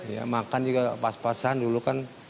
ya makan juga pas pasan dulu kan